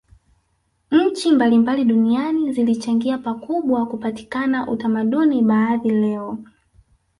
Nchi mbalimbali duniani zilichangia pakubwa kupatikana utamaduni baadhi leo